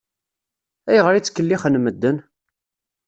Ayɣer i ttkellixen medden?